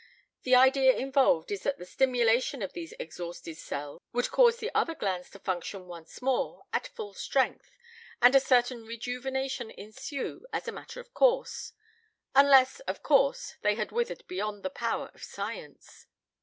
The idea involved is that the stimulation of these exhausted cells would cause the other glands to function once more at full strength and a certain rejuvenation ensue as a matter of course; unless, of course, they had withered beyond the power of science.